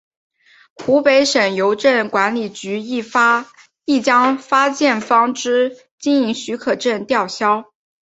湖北省邮政管理局亦将发件方之经营许可证吊销。